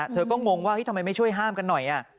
เธอก็งงว่าทำไมไม่ช่วยห้ามกันหน่อย